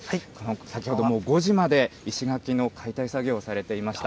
先ほども５時まで、石垣の解体作業をされていました。